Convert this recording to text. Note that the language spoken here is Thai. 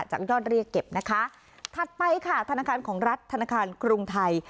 ยอดเรียกเก็บนะคะถัดไปค่ะธนาคารของรัฐธนาคารกรุงไทย